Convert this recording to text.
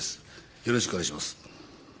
よろしくお願いします。